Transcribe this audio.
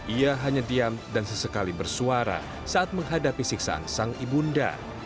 ia hanya diam dan sesekali bersuara saat menghadapi siksaan sang ibunda